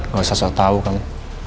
gak usah tau kamu